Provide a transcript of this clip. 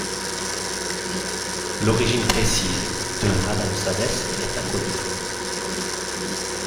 L'origine précise de Rhadamsadès est inconnue.